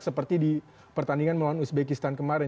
seperti di pertandingan melawan uzbekistan kemarin